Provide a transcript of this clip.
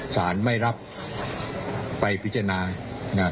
สารไม่รับไปพิจารณานะ